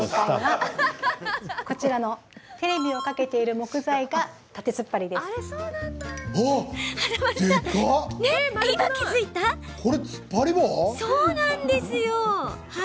こちらのテレビを掛けている木材が縦つっぱりです。